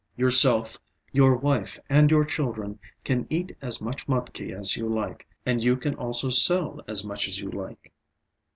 Yourself, your wife, and your children can eat as much mudki as you like, and you can also sell as much as you like."